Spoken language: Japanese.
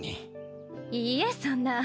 いいえそんな。